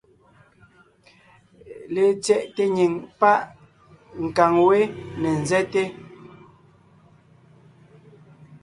Letsyɛʼte nyìŋ páʼ nkàŋ wé ne ńzɛ́te.